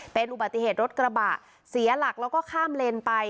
เป็นอุบัติเหตุรถกระบะเสียหลักแล้วก็ข้ามเลนไป